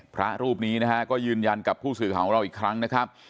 พระรูปนี้นะฮะก็ยืนยันกับผู้สื่อข่าวของเราอีกครั้งนะครับ